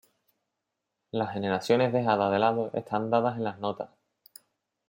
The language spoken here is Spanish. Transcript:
Las generaciones dejadas de lado están dadas en las notas.